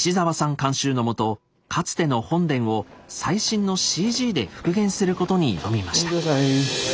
監修のもとかつての本殿を最新のＣＧで復元することに挑みました。